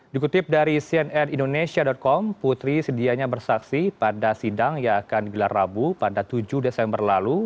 dikutip dari cnn indonesia com putri sedianya bersaksi pada sidang yang akan digelar rabu pada tujuh desember lalu